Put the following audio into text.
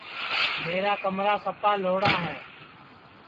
میرا کمرا سپا لھوڑا ہے